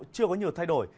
chưa có nhiều thay đổi